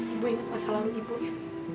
ibu ingat masa lalu ibu ya